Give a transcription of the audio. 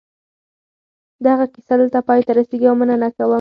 دغه کیسه دلته پای ته رسېږي او مننه کوم.